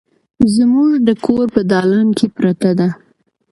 زموږ د کور په دالان کې پرته ده